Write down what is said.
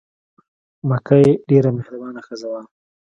مکۍ ډېره مهربانه ښځه وه.